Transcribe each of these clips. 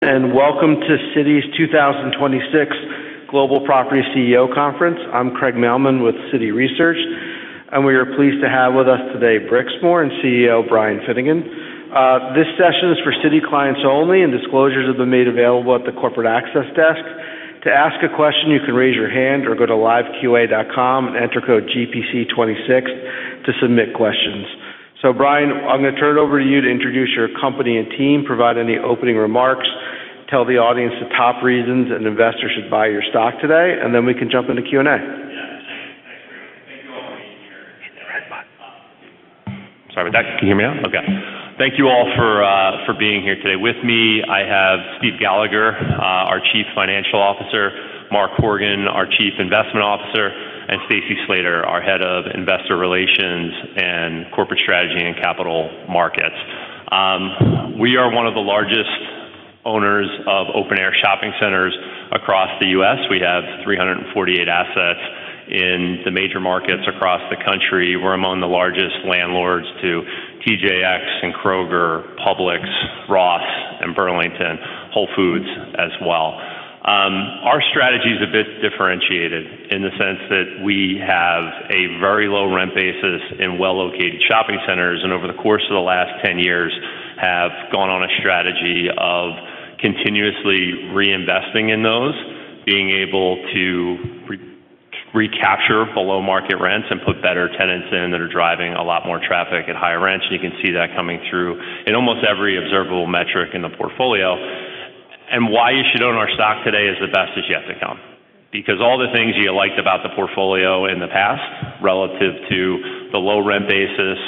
Welcome to Citi's 2026 Global Property CEO Conference. I'm Craig Mailman with Citi Research, and we are pleased to have with us today Brixmor and CEO Brian Finnegan. This session is for Citi clients only, and disclosures have been made available at the corporate access desk. To ask a question, you can raise your hand or go to liveqa.com and enter code GPC26 to submit questions. Brian, I'm gonna turn it over to you to introduce your company and team, provide any opening remarks, tell the audience the top reasons an investor should buy your stock today, and then we can jump into Q&A. Yeah. Thanks. Thanks, Craig. Thank you all for being here today. Use the red button. Sorry about that. Can you hear me now? Okay. Thank you all for being here today. With me, I have Steve Gallagher, our chief financial officer, Mark Horgan, our chief investment officer, and Stacy Slater, our head of investor relations and corporate strategy and capital markets. We are one of the largest owners of open-air shopping centers across the U.S. We have 348 assets in the major markets across the country. We're among the largest landlords to TJX and Kroger, Publix, Ross, and Burlington, Whole Foods as well. Our strategy is a bit differentiated in the sense that we have a very low rent basis in well-located shopping centers, and over the course of the last 10 years have gone on a strategy of continuously reinvesting in those, being able to re-recapture below-market rents and put better tenants in that are driving a lot more traffic at higher rents, and you can see that coming through in almost every observable metric in the portfolio. Why you should own our stock today is the best is yet to come. All the things you liked about the portfolio in the past relative to the low rent basis,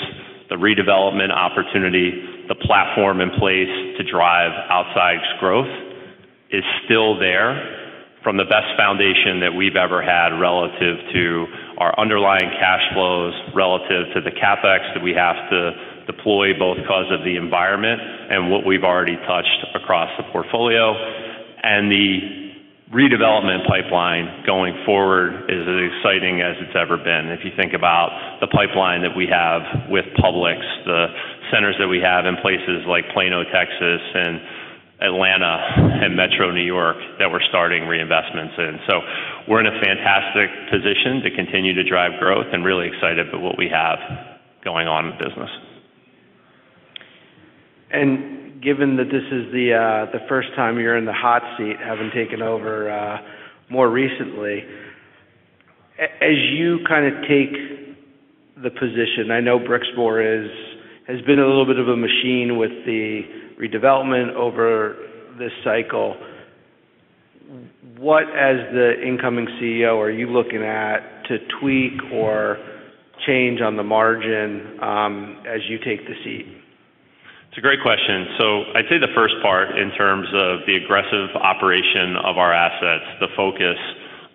the redevelopment opportunity, the platform in place to drive outside growth, is still there from the best foundation that we've ever had relative to our underlying cash flows, relative to the CapEx that we have to deploy, both because of the environment and what we've already touched across the portfolio. The redevelopment pipeline going forward is as exciting as it's ever been. If you think about the pipeline that we have with Publix, the centers that we have in places like Plano, Texas, and Atlanta and Metro New York that we're starting reinvestments in. We're in a fantastic position to continue to drive growth and really excited about what we have going on in the business. Given that this is the first time you're in the hot seat, having taken over, more recently, as you kind of take the position, I know Brixmor is, has been a little bit of a machine with the redevelopment over this cycle. What, as the incoming CEO, are you looking at to tweak or change on the margin, as you take the seat? It's a great question. I'd say the first part in terms of the aggressive operation of our assets, the focus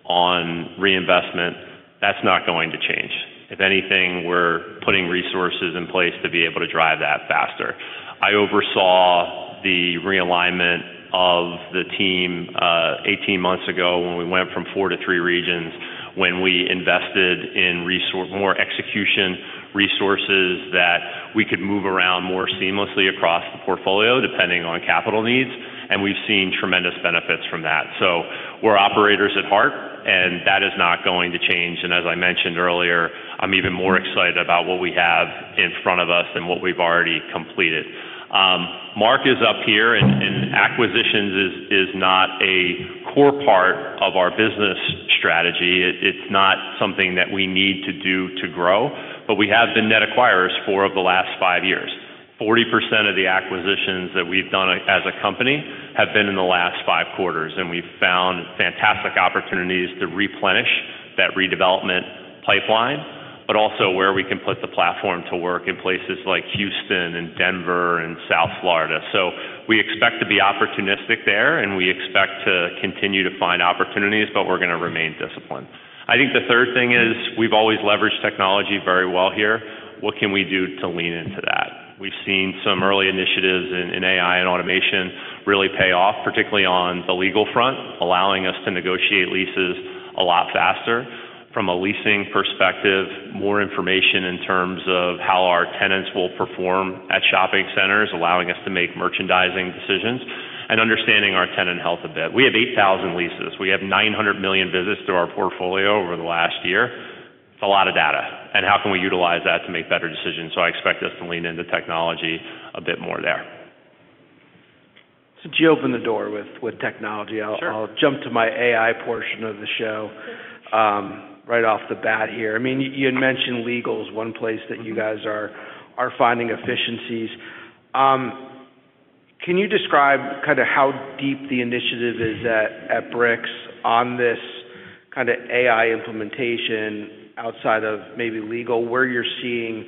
on reinvestment, that's not going to change. If anything, we're putting resources in place to be able to drive that faster. I oversaw the realignment of the team, 18 months ago when we went from four to three regions, when we invested in more execution resources that we could move around more seamlessly across the portfolio, depending on capital needs, and we've seen tremendous benefits from that. We're operators at heart, and that is not going to change. As I mentioned earlier, I'm even more excited about what we have in front of us than what we've already completed. Mark is up here and acquisitions is not a core part of our business strategy. It's not something that we need to do to grow. We have been net acquirers four of the last five years. 40% of the acquisitions that we've done as a company have been in the last five quarters. We've found fantastic opportunities to replenish that redevelopment pipeline, but also where we can put the platform to work in places like Houston and Denver and South Florida. We expect to be opportunistic there. We expect to continue to find opportunities. We're gonna remain disciplined. I think the third thing is we've always leveraged technology very well here. What can we do to lean into that? We've seen some early initiatives in AI and automation really pay off, particularly on the legal front, allowing us to negotiate leases a lot faster. From a leasing perspective, more information in terms of how our tenants will perform at shopping centers, allowing us to make merchandising decisions and understanding our tenant health a bit. We have 8,000 leases. We have 900 million visits to our portfolio over the last year. It's a lot of data, and how can we utilize that to make better decisions? I expect us to lean into technology a bit more there. Since you opened the door with technology- Sure. I'll jump to my AI portion of the show, right off the bat here. You had mentioned legal is one place that you guys are finding efficiencies. Can you describe kinda how deep the initiative is at Brix on this kinda AI implementation outside of maybe legal, where you're seeing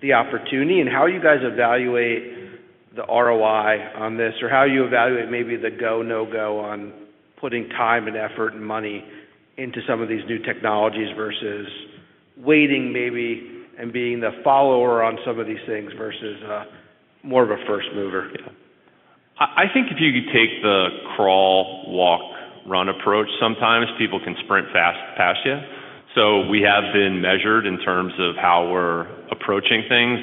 the opportunity and how you guys evaluate the ROI on this, or how you evaluate maybe the go, no go on putting time and effort and money into some of these new technologies versus waiting maybe and being the follower on some of these things versus, more of a first mover? Yeah. I think if you could take the crawl, walk, run approach sometimes. People can sprint fast past you. We have been measured in terms of how we're approaching things.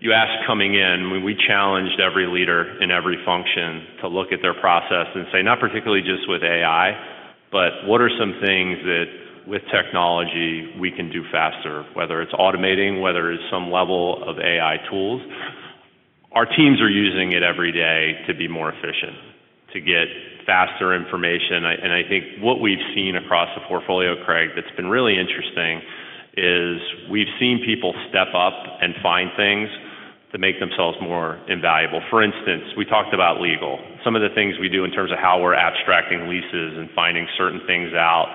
You asked coming in, when we challenged every leader in every function to look at their process and say, not particularly just with AI, but what are some things that with technology we can do faster, whether it's automating, whether it's some level of AI tools. Our teams are using it every day to be more efficient, to get faster information. I think what we've seen across the portfolio, Craig, that's been really interesting is we've seen people step up and find things that make themselves more invaluable. For instance, we talked about legal. Some of the things we do in terms of how we're abstracting leases and finding certain things out,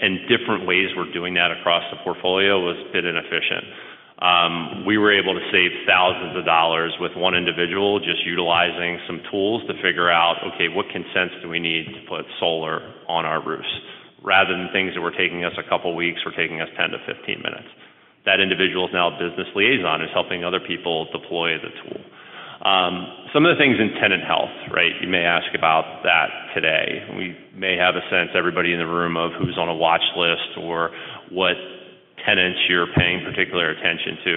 and different ways we're doing that across the portfolio was a bit inefficient. We were able to save thousands of dollars with one individual just utilizing some tools to figure out, okay, what consents do we need to put solar on our roofs? Rather than things that were taking us a couple weeks, were taking us 10-15 minutes. That individual is now a business liaison who's helping other people deploy the tool. Some of the things in tenant health, right? You may ask about that today. We may have a sense, everybody in the room, of who's on a watchlist or what tenants you're paying particular attention to.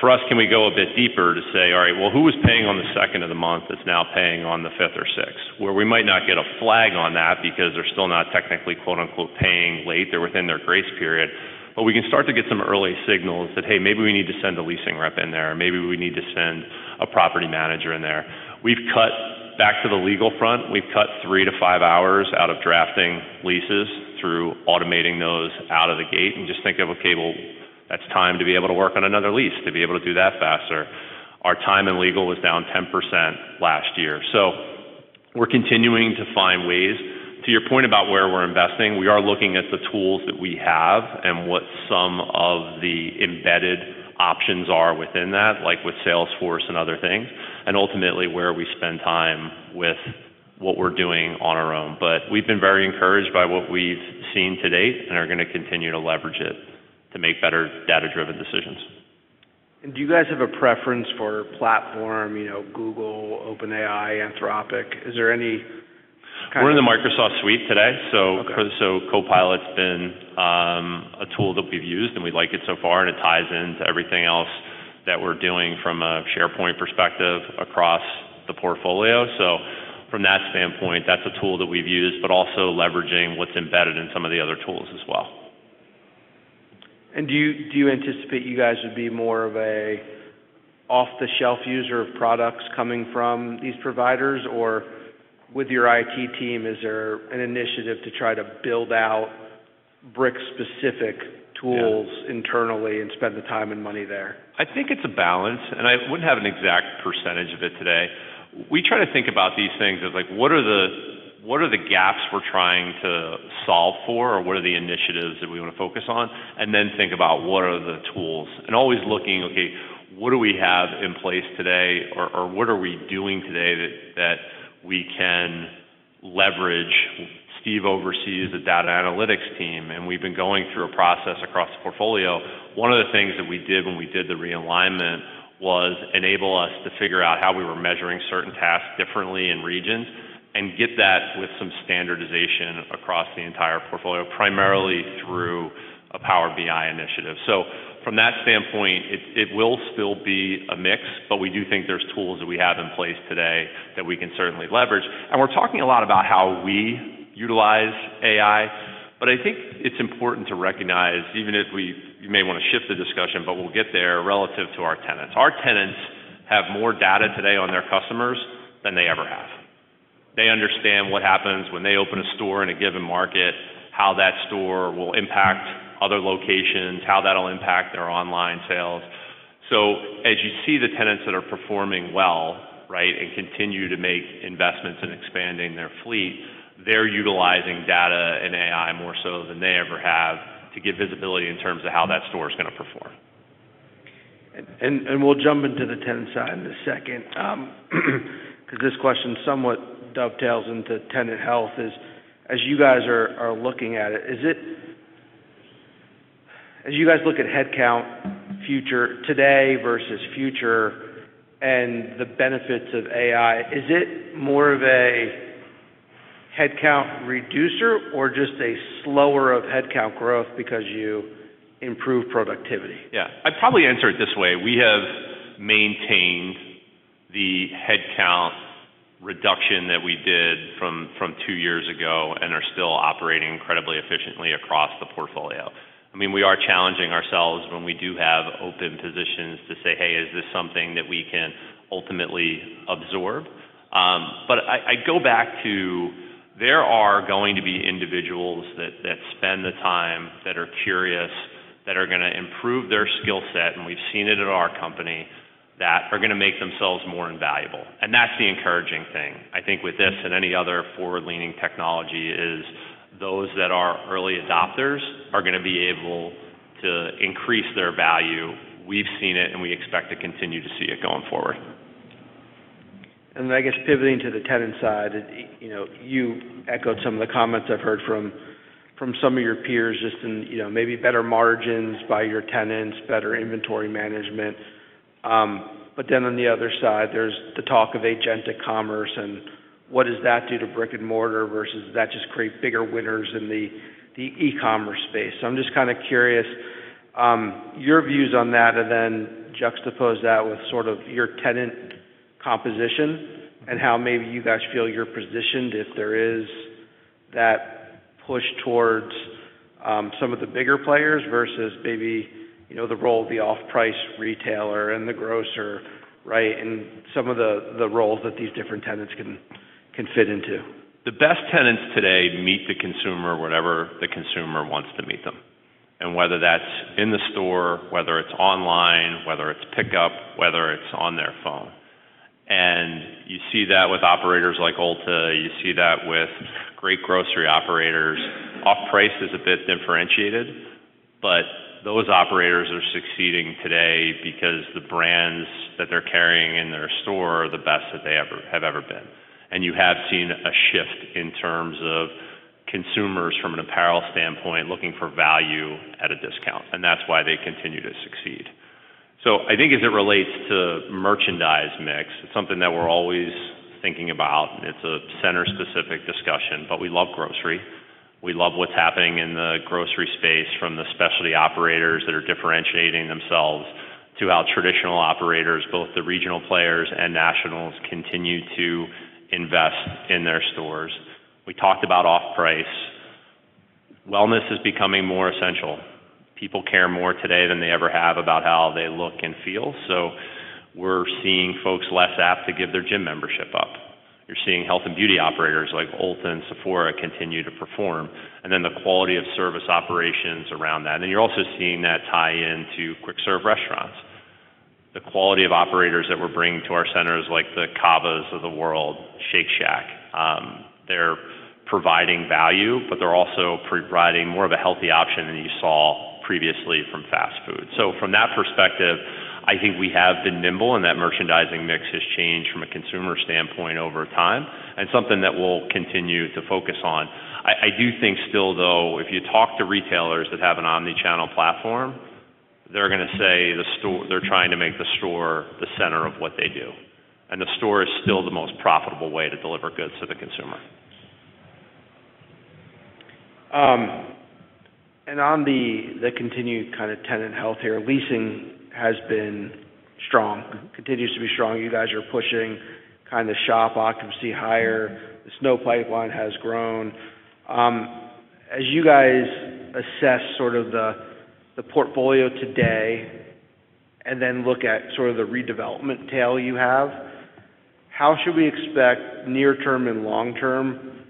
For us, can we go a bit deeper to say, all right, well, who was paying on the second of the month that's now paying on the fifth or sixth? Where we might not get a flag on that because they're still not technically, quote-unquote, "paying late," they're within their grace period. We can start to get some early signals that, hey, maybe we need to send a leasing rep in there, maybe we need to send a property manager in there. We've cut back to the legal front. We've cut three to five hours out of drafting leases through automating those out of the gate. Just think of, okay, well, that's time to be able to work on another lease, to be able to do that faster. Our time in legal was down 10% last year. We're continuing to find ways. To your point about where we're investing, we are looking at the tools that we have and what some of the embedded options are within that, like with Salesforce and other things, and ultimately where we spend time with what we're doing on our own. We've been very encouraged by what we've seen to date and are gonna continue to leverage it to make better data-driven decisions. Do you guys have a preference for platform, you know, Google, OpenAI, Anthropic? Is there any kind of. We're in the Microsoft 365 today. Okay. Copilot's been a tool that we've used, and we like it so far, and it ties into everything else that we're doing from a SharePoint perspective across the portfolio. From that standpoint, that's a tool that we've used, but also leveraging what's embedded in some of the other tools as well. Do you anticipate you guys would be more of a off-the-shelf user of products coming from these providers? With your IT team, is there an initiative to try to build out Brixmor-specific tools? Yeah... internally and spend the time and money there? I think it's a balance. I wouldn't have an exact % of it today. We try to think about these things as like, what are the gaps we're trying to solve for, or what are the initiatives that we wanna focus on? Think about what are the tools. Always looking, okay, what do we have in place today or what are we doing today that we can leverage? Steve oversees the data analytics team, and we've been going through a process across the portfolio. One of the things that we did when we did the realignment was enable us to figure out how we were measuring certain tasks differently in regions and get that with some standardization across the entire portfolio, primarily through a Power BI initiative. From that standpoint, it will still be a mix, but we do think there's tools that we have in place today that we can certainly leverage. We're talking a lot about how we utilize AI, but I think it's important to recognize, even if you may wanna shift the discussion, but we'll get there relative to our tenants. Our tenants have more data today on their customers than they ever have. They understand what happens when they open a store in a given market, how that store will impact other locations, how that'll impact their online sales. As you see the tenants that are performing well, right, and continue to make investments in expanding their fleet, they're utilizing data and AI more so than they ever have to give visibility in terms of how that store is gonna perform. We'll jump into the tenant side in a second, 'cause this question somewhat dovetails into tenant health is, as you guys are looking at it, As you guys look at headcount today versus future and the benefits of AI, is it more of a headcount reducer or just a slower of headcount growth because you improve productivity? I'd probably answer it this way. We have maintained the headcount reduction that we did from two years ago and are still operating incredibly efficiently across the portfolio. I mean, we are challenging ourselves when we do have open positions to say, "Hey, is this something that we can ultimately absorb?" I go back to there are going to be individuals that spend the time, that are curious, that are gonna improve their skill set, and we've seen it at our company, that are gonna make themselves more invaluable. That's the encouraging thing. I think with this and any other forward-leaning technology is those that are early adopters are gonna be able to increase their value. We've seen it, and we expect to continue to see it going forward. I guess pivoting to the tenant side, you know, you echoed some of the comments I've heard from some of your peers just in, you know, maybe better margins by your tenants, better inventory management. On the other side, there's the talk of agentic commerce and what does that do to brick-and-mortar versus does that just create bigger winners in the e-commerce space? I'm just kind of curious, your views on that and then juxtapose that with sort of your tenant composition and how maybe you guys feel you're positioned if there is that push towards some of the bigger players versus maybe, you know, the role of the off-price retailer and the grocer, right, and some of the roles that these different tenants can fit into? The best tenants today meet the consumer wherever the consumer wants to meet them, and whether that's in the store, whether it's online, whether it's pickup, whether it's on their phone. You see that with operators like Ulta. You see that with great grocery operators. Off-price is a bit differentiated, but those operators are succeeding today because the brands that they're carrying in their store are the best that have ever been. You have seen a shift in terms of consumers from an apparel standpoint looking for value at a discount, and that's why they continue to succeed. I think as it relates to merchandise mix, it's something that we're always thinking about. It's a center-specific discussion, but we love grocery. We love what's happening in the grocery space from the specialty operators that are differentiating themselves to how traditional operators, both the regional players and nationals, continue to invest in their stores. We talked about off-price. Wellness is becoming more essential. People care more today than they ever have about how they look and feel. We're seeing folks less apt to give their gym membership up. You're seeing health and beauty operators like Ulta and Sephora continue to perform, and then the quality of service operations around that. You're also seeing that tie in to quick-serve restaurants. The quality of operators that we're bringing to our centers like the CAVAs of the world, Shake Shack, they're providing value, but they're also providing more of a healthy option than you saw previously from fast food. From that perspective, I think we have been nimble, and that merchandising mix has changed from a consumer standpoint over time and something that we'll continue to focus on. I do think still, though, if you talk to retailers that have an omnichannel platform, they're gonna say they're trying to make the store the center of what they do, and the store is still the most profitable way to deliver goods to the consumer. On the continued kind of tenant health here, leasing has been strong, continues to be strong. You guys are pushing kind of shop occupancy higher. The signed-not-yet-commenced pipeline has grown. As you guys assess sort of the portfolio today and then look at sort of the redevelopment tail you have, how should we expect near-term and long-term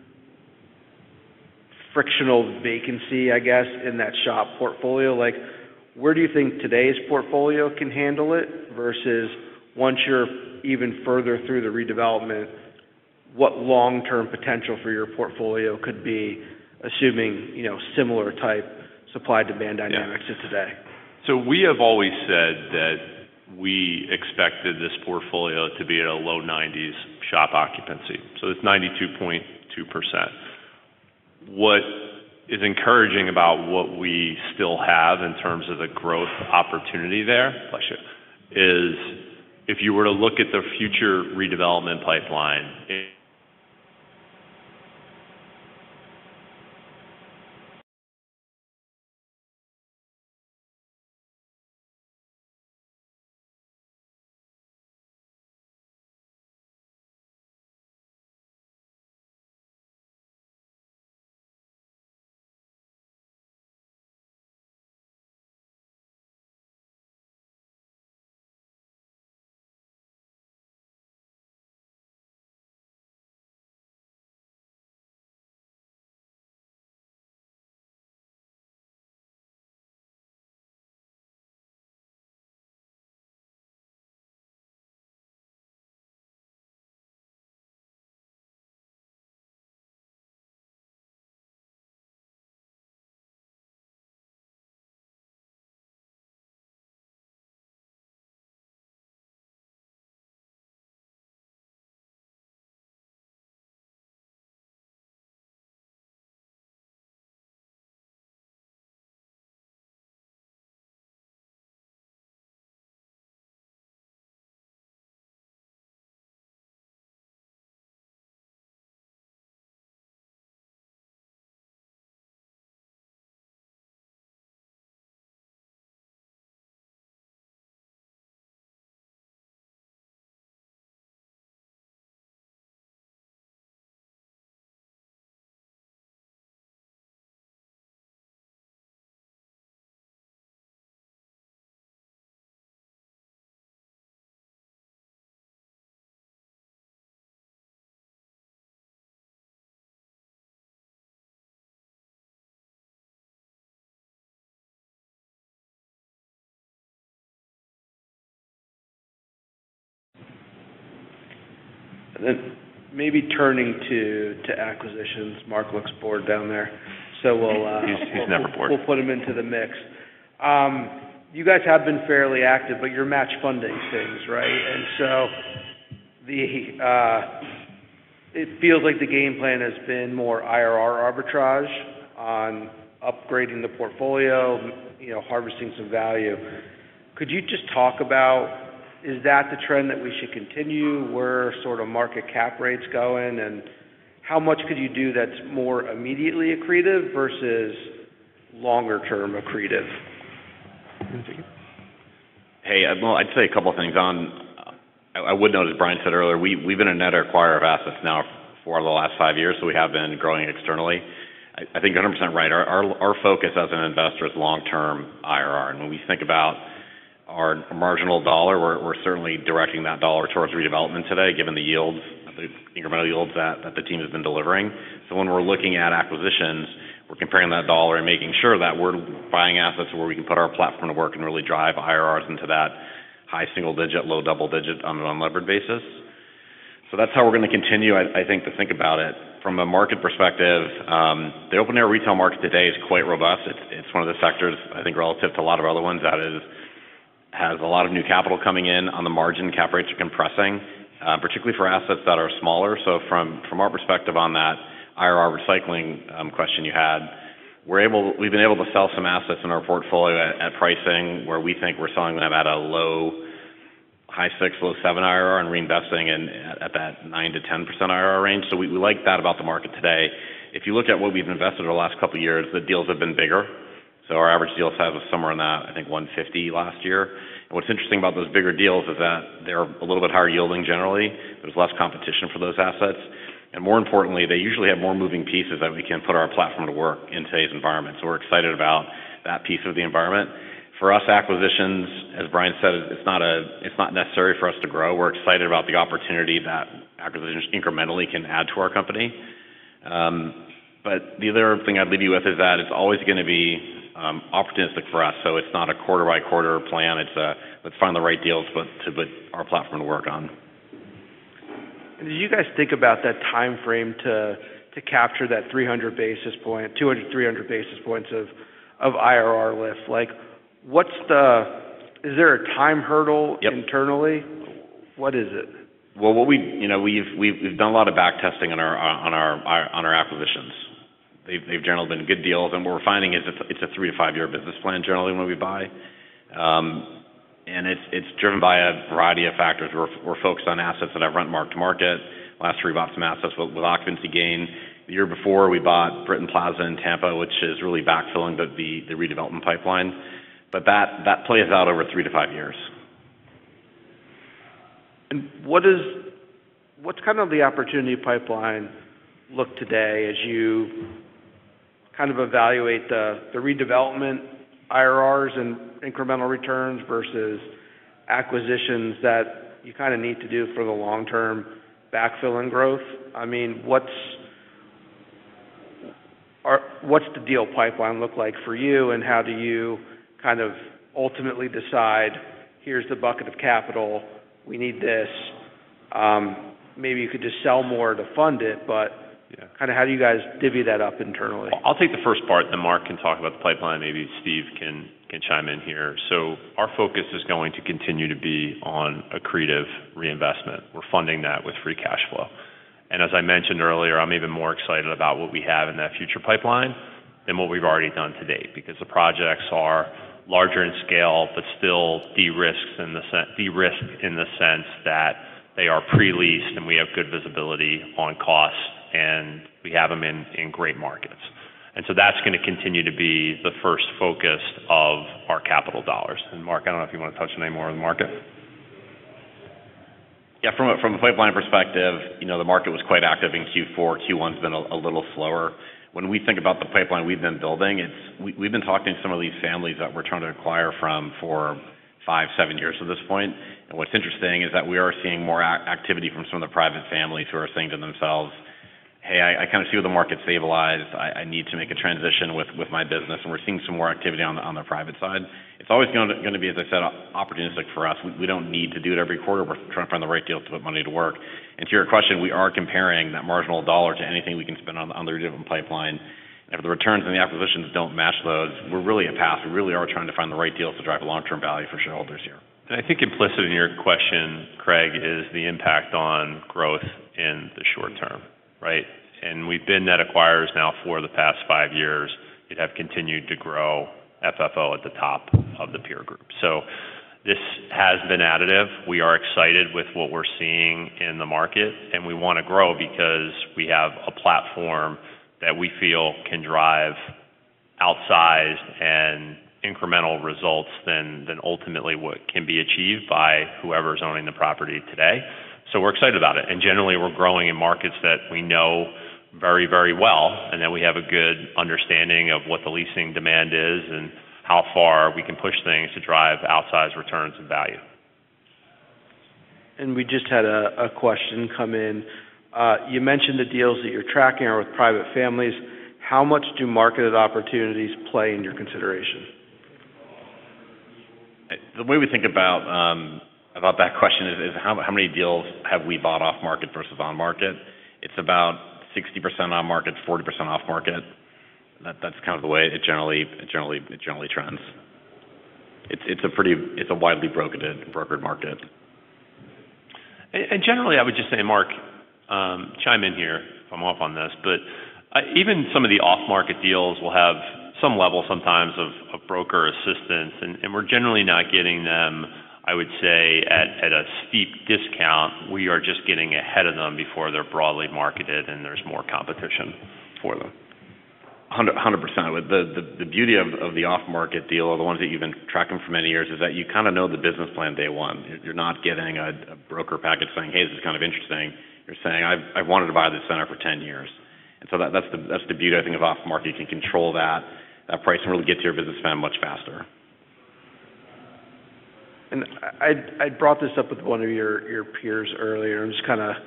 frictional vacancy, I guess, in that shop portfolio? Like, where do you think today's portfolio can handle it versus once you're even further through the redevelopment, what long-term potential for your portfolio could be assuming, you know, similar type supply-demand dynamics as today? We have always said that we expected this portfolio to be at a low 90s shop occupancy. It's 92.2%. What is encouraging about what we still have in terms of the growth opportunity there, bless you, is if you were to look at the future redevelopment pipeline. Maybe turning to acquisitions, Mark looks bored down there. We'll He's never bored. We'll put him into the mix. You guys have been fairly active, but you're match funding things, right? It feels like the game plan has been more IRR arbitrage on upgrading the portfolio, you know, harvesting some value. Could you just talk about is that the trend that we should continue, where sort of market cap rates go in, and how much could you do that's more immediately accretive versus longer-term accretive? Well, I'd say a couple of things. I would note, as Brian said earlier, we've been a net acquirer of assets now for the last five years. We have been growing externally. I think you're 100% right. Our focus as an investor is long-term IRR. When we think about our marginal dollar, we're certainly directing that dollar towards redevelopment today, given the yields, I think incremental yields that the team has been delivering. When we're looking at acquisitions, we're comparing that dollar and making sure that we're buying assets where we can put our platform to work and really drive IRRs into that high single digit, low double digit on an unlevered basis. That's how we're gonna continue, I think, to think about it. From a market perspective, the open-air retail market today is quite robust. It's one of the sectors, I think relative to a lot of other ones, that has a lot of new capital coming in. On the margin, cap rates are compressing, particularly for assets that are smaller. From our perspective on that IRR recycling question you had, we've been able to sell some assets in our portfolio at pricing where we think we're selling them at a low high 6%, low 7% IRR, and reinvesting in at that 9%-10% IRR range. We like that about the market today. If you looked at what we've invested over the last couple of years, the deals have been bigger. Our average deal size was somewhere in that, I think $150 last year. What's interesting about those bigger deals is that they're a little bit higher yielding generally. There's less competition for those assets. More importantly, they usually have more moving pieces that we can put our platform to work in today's environment. We're excited about that piece of the environment. For us, acquisitions, as Brian said, it's not necessary for us to grow. We're excited about the opportunity that acquisitions incrementally can add to our company. The other thing I'd leave you with is that it's always gonna be opportunistic for us. It's not a quarter by quarter plan. It's a let's find the right deals to put our platform to work on. Did you guys think about that timeframe to capture that 200-300 basis points of IRR lift? Like, what's the... Is there a time hurdle- Yep. internally? What is it? You know, we've done a lot of back testing on our on our acquisitions. They've generally been good deals. What we're finding is it's a three to five year business plan generally when we buy. It's driven by a variety of factors. We're focused on assets that have rent marked to market. Last year, we bought some assets with occupancy gain. The year before, we bought Britton Plaza in Tampa, which is really backfilling the redevelopment pipeline. That plays out over three to five years. What's kind of the opportunity pipeline look today as you kind of evaluate the redevelopment IRRs and incremental returns versus acquisitions that you kind of need to do for the long term backfill and growth? I mean, what's the deal pipeline look like for you, and how do you kind of ultimately decide, here's the bucket of capital, we need this, maybe you could just sell more to fund it, but? Yeah. kind of how do you guys divvy that up internally? I'll take the first part. Mark can talk about the pipeline. Maybe Steve can chime in here. Our focus is going to continue to be on accretive reinvestment. We're funding that with free cash flow. As I mentioned earlier, I'm even more excited about what we have in that future pipeline than what we've already done to date because the projects are larger in scale, but still de-risk in the sense that they are pre-leased, and we have good visibility on costs, and we have them in great markets. That's gonna continue to be the first focus of our capital dollars. Mark, I don't know if you want to touch any more on the market. Yeah. From a pipeline perspective, you know, the market was quite active in Q4. Q1's been a little slower. When we think about the pipeline we've been building, We've been talking to some of these families that we're trying to acquire from for five, seven years at this point. What's interesting is that we are seeing more activity from some of the private families who are saying to themselves, "Hey, I kind of see where the market stabilize. I need to make a transition with my business." We're seeing some more activity on the private side. It's always gonna be, as I said, opportunistic for us. We don't need to do it every quarter. We're trying to find the right deals to put money to work. To your question, we are comparing that marginal dollar to anything we can spend on the redevelopment pipeline. If the returns and the acquisitions don't match those, we're really in pass. We really are trying to find the right deals to drive long-term value for shareholders here. I think implicit in your question, Craig, is the impact on growth in the short term, right? We've been net acquirers now for the past five years. We have continued to grow FFO at the top of the peer group. This has been additive. We are excited with what we're seeing in the market. We want to grow because we have a platform that we feel can drive outsized and incremental results than ultimately what can be achieved by whoever's owning the property today. We're excited about it. Generally, we're growing in markets that we know very, very well, and that we have a good understanding of what the leasing demand is and how far we can push things to drive outsized returns and value. We just had a question come in. You mentioned the deals that you're tracking are with private families. How much do marketed opportunities play in your consideration? The way we think about that question is how many deals have we bought off market versus on market. It's about 60% on market, 40% off market. That's kind of the way it generally trends. It's a widely brokered market. Generally, I would just say, Mark, chime in here if I'm off on this, but even some of the off-market deals will have some level sometimes of broker assistance, and we're generally not getting them, I would say, at a steep discount. We are just getting ahead of them before they're broadly marketed, and there's more competition for them. 100%. The beauty of the off-market deal or the ones that you've been tracking for many years is that you kind of know the business plan day one. You're not getting a broker package saying, "Hey, this is kind of interesting." You're saying, "I've wanted to buy this center for 10 years." That's the beauty, I think, of off-market. You can control that price and really get to your business plan much faster. I brought this up with one of your peers earlier. I'm just kinda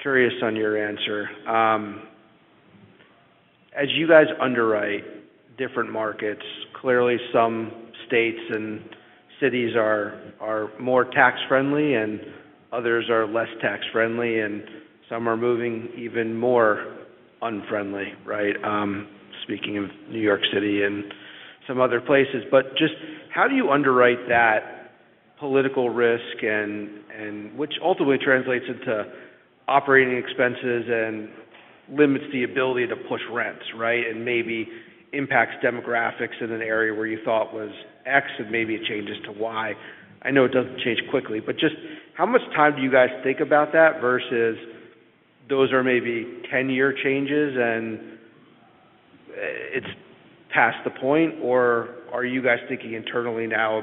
curious on your answer. As you guys underwrite different markets, clearly some states and cities are more tax friendly, and others are less tax friendly, and some are moving even more unfriendly, right? Speaking of New York City and some other places. Just how do you underwrite that political risk and which ultimately translates into operating expenses and limits the ability to push rents, right? Maybe impacts demographics in an area where you thought was X, and maybe it changes to Y. I know it doesn't change quickly, but just how much time do you guys think about that versus those are maybe 10-year changes and it's past the point? Are you guys thinking internally now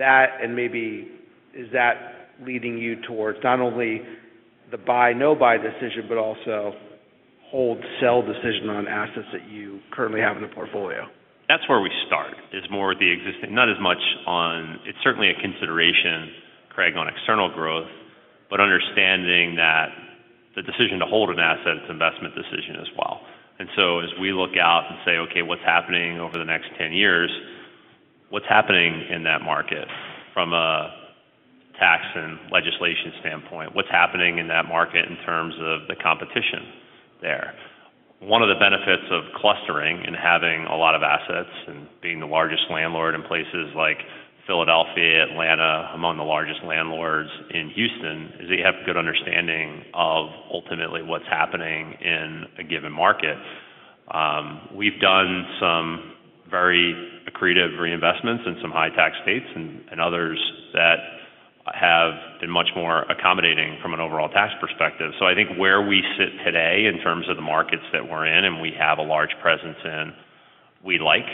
about that and maybe is that leading you towards not only the buy, no buy decision, but also hold, sell decision on assets that you currently have in the portfolio? That's where we start, is more the existing. It's certainly a consideration, Craig, on external growth, but understanding that the decision to hold an asset, it's investment decision as well. As we look out and say, "Okay, what's happening over the next 10 years? What's happening in that market from a tax and legislation standpoint? What's happening in that market in terms of the competition there?" One of the benefits of clustering and having a lot of assets and being the largest landlord in places like Philadelphia, Atlanta, among the largest landlords in Houston, is that you have a good understanding of ultimately what's happening in a given market. We've done some very accretive reinvestments in some high tax states and others that have been much more accommodating from an overall tax perspective. I think where we sit today in terms of the markets that we're in and we have a large presence in, we like,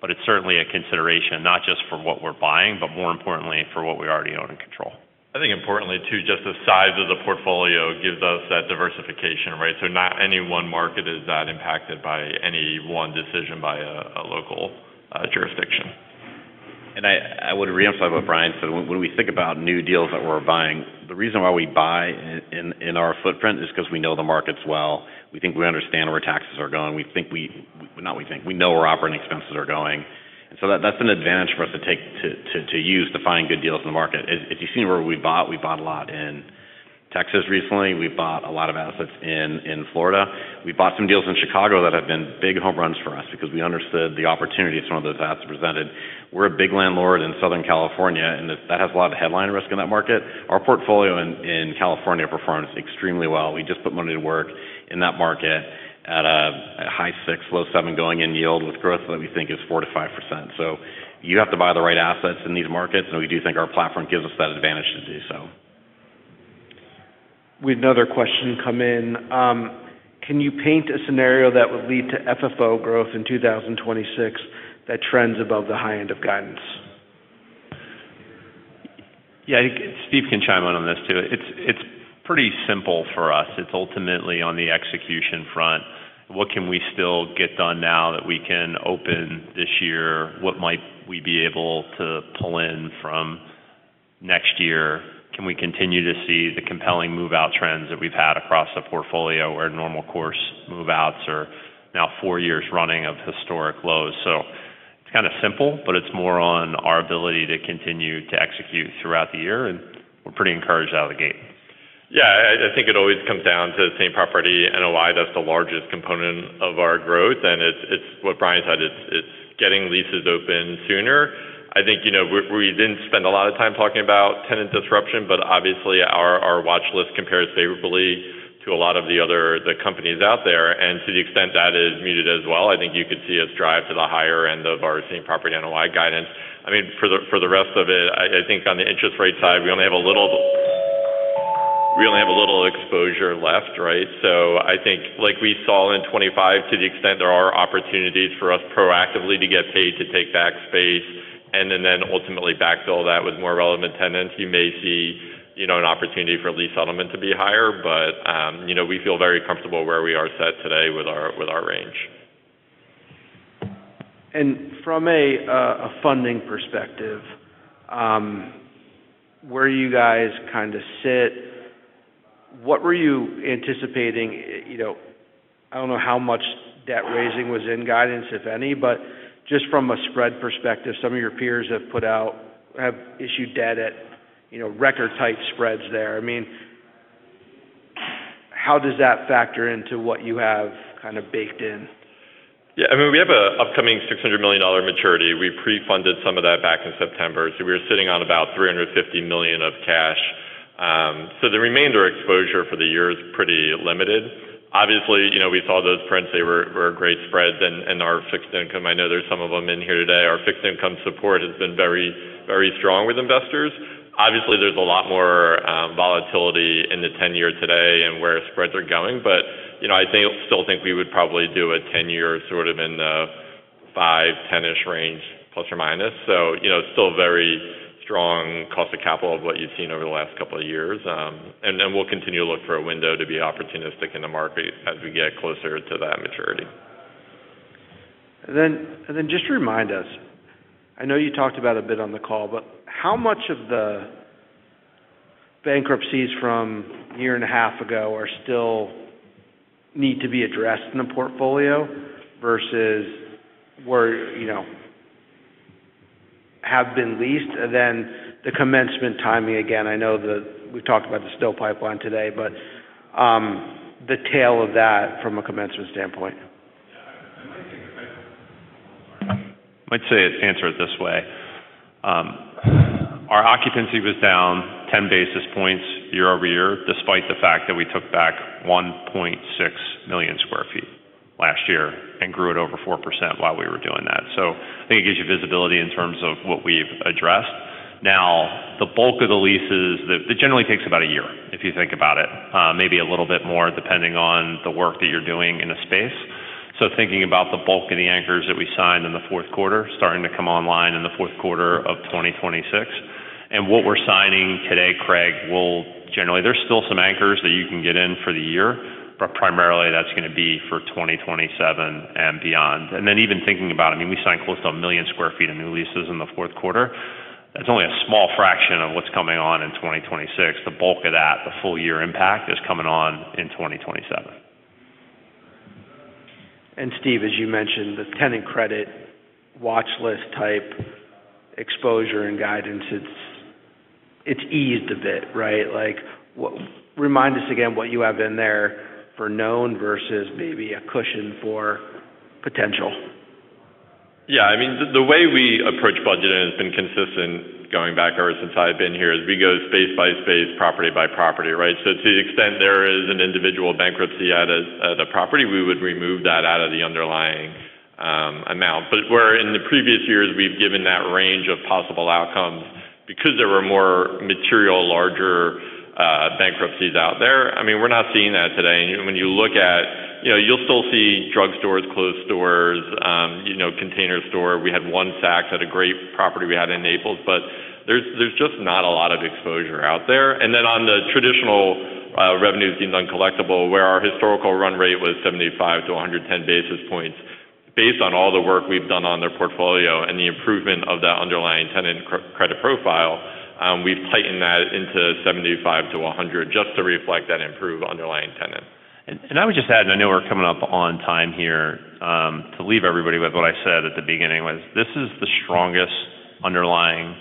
but it's certainly a consideration, not just for what we're buying, but more importantly for what we already own and control. I think importantly too, just the size of the portfolio gives us that diversification, right? Not any one market is that impacted by any one decision by a local jurisdiction. I would reemphasize what Brian said. When we think about new deals that we're buying, the reason why we buy in our footprint is 'cause we know the markets well. We think we understand where taxes are going. We know where operating expenses are going. That's an advantage for us to take to use to find good deals in the market. If you've seen where we bought, we bought a lot in Texas recently. We've bought a lot of assets in Florida. We bought some deals in Chicago that have been big home runs for us because we understood the opportunity some of those assets presented. We're a big landlord in Southern California, and that has a lot of headline risk in that market. Our portfolio in California performs extremely well. We just put money to work in that market at a high 6%, low 7% going in yield with growth that we think is 4%-5%. You have to buy the right assets in these markets, and we do think our platform gives us that advantage to do so. We had another question come in. Can you paint a scenario that would lead to FFO growth in 2026 that trends above the high end of guidance? I think Steve can chime in on this too. It's pretty simple for us. It's ultimately on the execution front. What can we still get done now that we can open this year? What might we be able to pull in from next year? Can we continue to see the compelling move-out trends that we've had across the portfolio where normal course move-outs are now four years running of historic lows? It's kind of simple, but it's more on our ability to continue to execute throughout the year, and we're pretty encouraged out of the gate. Yeah. I think it always comes down to same property NOI. That's the largest component of our growth. It's what Brian said, it's getting leases open sooner. I think, you know, we didn't spend a lot of time talking about tenant disruption, but obviously our watch list compares favorably to a lot of the companies out there. To the extent that is muted as well, I think you could see us drive to the higher end of our same property NOI guidance. I mean, for the, for the rest of it, I think on the interest rate side, we only have a little exposure left, right? I think like we saw in 2025, to the extent there are opportunities for us proactively to get paid to take back space and then ultimately backfill that with more relevant tenants, you may see, you know, an opportunity for lease settlement to be higher. We feel very comfortable where we are set today with our range. From a funding perspective, where you guys kind of sit, what were you anticipating? You know, I don't know how much debt raising was in guidance, if any, but just from a spread perspective, some of your peers have issued debt at, you know, record tight spreads there. How does that factor into what you have kind of baked in? Yeah, I mean, we have a upcoming $600 million maturity. We pre-funded some of that back in September. We're sitting on about $350 million of cash. The remainder exposure for the year is pretty limited. Obviously, you know, we saw those prints, they were great spreads and our fixed income. I know there's some of them in here today. Our fixed income support has been very strong with investors. Obviously, there's a lot more volatility in the 10-year today and where spreads are going. You know, still think we would probably do a ten-year sort of in the five, 10-ish range, ±. You know, still very strong cost of capital of what you've seen over the last couple of years. Then we'll continue to look for a window to be opportunistic in the market as we get closer to that maturity. Just to remind us, I know you talked about a bit on the call, but how much of the bankruptcies from a year and a half ago are still need to be addressed in the portfolio versus where, you know, have been leased? The commencement timing, again, I know we've talked about the still pipeline today, but the tale of that from a commencement standpoint? I might take a crack at it. I might answer it this way. Our occupancy was down 10 basis points year-over-year, despite the fact that we took back 1.6 million sq ft last year and grew it over 4% while we were doing that. I think it gives you visibility in terms of what we've addressed. Now, the bulk of the leases that it generally takes about a year, if you think about it. Maybe a little bit more depending on the work that you're doing in a space. Thinking about the bulk of the anchors that we signed in the fourth quarter, starting to come online in the fourth quarter of 2026. What we're signing today, Craig, will. There's still some anchors that you can get in for the year, but primarily that's gonna be for 2027 and beyond. Even thinking about it, I mean, we signed close to 1 million sq ft of new leases in the fourth quarter. That's only a small fraction of what's coming on in 2026. The bulk of that, the full year impact, is coming on in 2027. Steve, as you mentioned, the tenant credit watchlist type exposure and guidance, it's eased a bit, right? Like, remind us again what you have in there for known versus maybe a cushion for potential. I mean, the way we approach budgeting has been consistent going back ever since I've been here, is we go space by space, property by property, right? To the extent there is an individual bankruptcy at a property, we would remove that out of the underlying amount. Where in the previous years we've given that range of possible outcomes because there were more material, larger bankruptcies out there, I mean, we're not seeing that today. When you look at... You know, you'll still see drugstores, closed stores, you know, The Container Store. We had one Saks at a great property we had in Naples, but there's just not a lot of exposure out there. Then on the traditional revenues deemed uncollectible, where our historical run rate was 75-110 basis points. Based on all the work we've done on their portfolio and the improvement of that underlying tenant credit profile, we've tightened that into 75-100 just to reflect that improved underlying tenant. I would just add, and I know we're coming up on time here, to leave everybody with what I said at the beginning was, this is the strongest underlying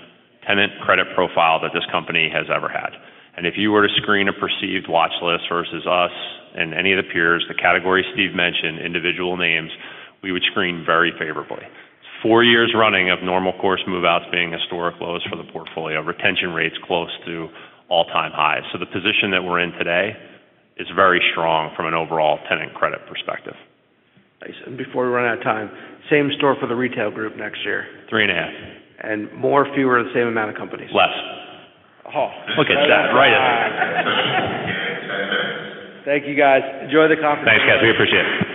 tenant credit profile that this company has ever had. If you were to screen a perceived watchlist versus us and any of the peers, the category Steve mentioned, individual names, we would screen very favorably. Four years running of normal course move-outs being historic lows for the portfolio. Retention rates close to all-time highs. The position that we're in today is very strong from an overall tenant credit perspective. Nice. Before we run out of time, same store for the retail group next year? 3.5%. More, fewer, the same amount of companies? Less. Oh. Look at Jeff. Right at it. Thank you, guys. Enjoy the conference. Thanks, guys. We appreciate it.